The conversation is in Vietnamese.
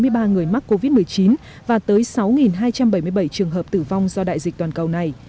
tới ba bốn mươi ba người mắc covid một mươi chín và tới sáu hai trăm bảy mươi bảy trường hợp tử vong do đại dịch toàn cầu này